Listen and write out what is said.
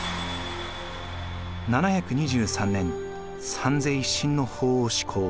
７２３年三世一身の法を施行。